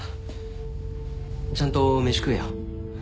ちゃんと飯食えよ。